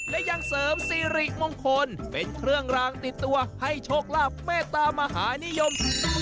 และยังเสริมสิริมงคลเป็นเครื่องรางติดตัวให้โชคลาภเมตามหานิยม